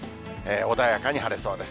穏やかに晴れそうです。